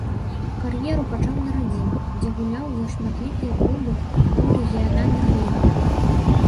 Кар'еру пачаў на радзіме, дзе гуляў за шматлікія клубы ў рэгіянальных лігах.